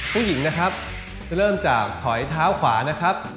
ผู้หญิงนะครับจะเริ่มจากถอยเท้าขวานะครับ